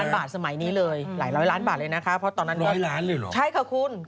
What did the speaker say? พี่ทั้ง๒๕๐๗ใช่คะ